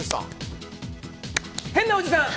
変なおじさん。